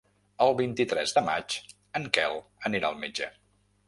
El vint-i-tres de maig en Quel anirà al metge.